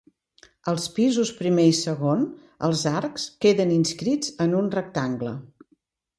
Als pisos primer i segon, els arcs queden inscrits en un rectangle.